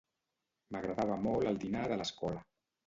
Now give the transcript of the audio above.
M'agradava molt el dinar de l'escola